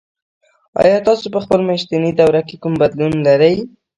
ایا تاسو په خپل میاشتني دوره کې کوم بدلون لرئ؟